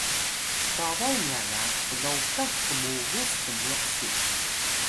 babaw nya ga klokah kmugus pniq su